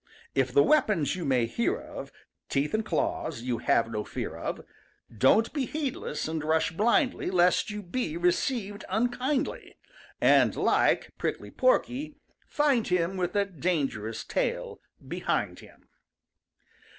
If the weapons you may hear of, Teeth and claws, you have no fear of, Don't be heedless and rush blindly Lest you be received unkindly, And, like Prickly Porky, find him With a dangerous tail behind him.